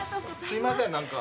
すいません何か。